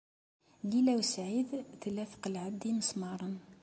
Lila u Saɛid tella tqelleɛ-d imesmaṛen.